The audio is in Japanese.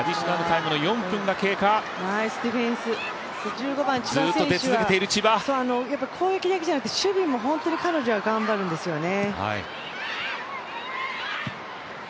１５番・千葉選手は攻撃だけじゃなくて守備も本当に彼女は頑張るんですよね。